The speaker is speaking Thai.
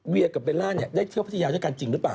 เวียกับเบลล่าเนี่ยได้เที่ยวพัทยาเที่ยวกันจริงหรือเปล่า